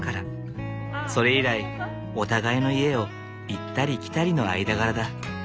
それ以来お互いの家を行ったり来たりの間柄だ。